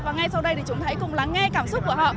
và ngay sau đây chúng ta hãy cùng lắng nghe cảm xúc của họ